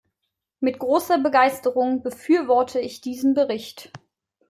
Mit großer Begeisterung befürworte ich diesen Bericht.